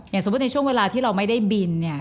สมมุติในช่วงเวลาที่เราไม่ได้บินเนี่ย